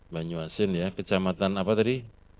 banyu asin ya kejamatan apa tadi